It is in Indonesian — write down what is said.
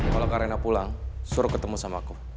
kalau kak raina pulang suruh ketemu sama aku